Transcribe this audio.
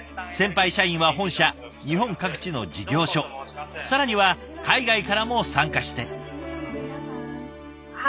先輩社員は本社日本各地の事業所更には海外からも参加して。